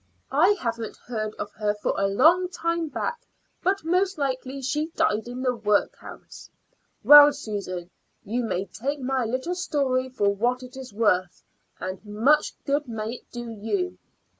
I haven't heard of her for a long time back, but most likely she died in the work house. Well, Susan, you may take my little story for what it is worth, and much good may it do you."